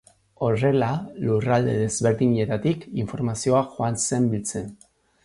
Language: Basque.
Horrela lurralde desberdinetatik informazio joan zen biltzen.